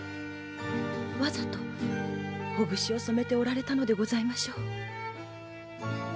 わざとおぐしを染めておられたのでございましょう。